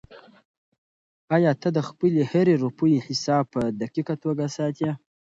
آیا ته د خپلې هرې روپۍ حساب په دقیقه توګه ساتې؟